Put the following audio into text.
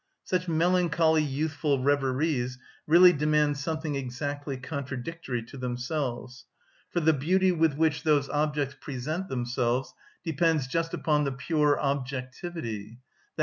Such melancholy youthful reveries really demand something exactly contradictory to themselves; for the beauty with which those objects present themselves depends just upon the pure objectivity, _i.